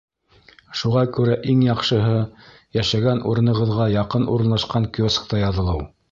Шуға күрә иң яҡшыһы — йәшәгән урынығыҙға яҡын урынлашҡан киоскта яҙылыу.